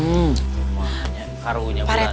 kamu mah karunya bu ranti